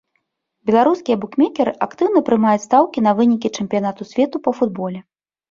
Беларускія букмекеры актыўна прымаюць стаўкі на вынікі чэмпіянату свету па футболе.